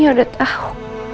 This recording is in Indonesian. karena semuanya udah tahu